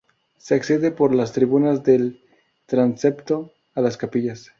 Se accede por las tribunas del transepto a las capillas.